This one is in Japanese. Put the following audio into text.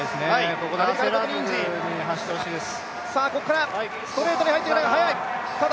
ここで焦らずに走ってほしいです。